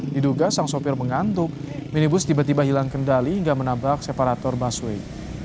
diduga sang sopir mengantuk minibus tiba tiba hilang kendali hingga menabrak separator busway